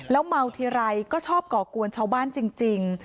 เมาทีไรก็ชอบก่อกวนชาวบ้านจริง